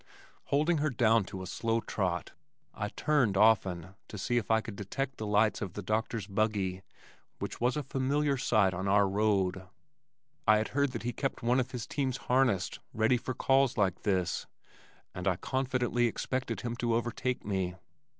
Holding her down to a slow trot I turned often to see if I could detect the lights of the doctor's buggy which was a familiar sight on our road. I had heard that he kept one of his teams harnessed ready for calls like this, and I confidently expected him to overtake me.